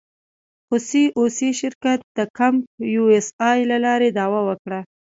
خو سي او سي شرکت د کمپ یو اس اې له لارې دعوه وکړه.